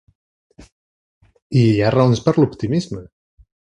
I hi ha raons per a l’optimisme.